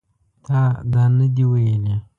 تا دا نه دي ویلي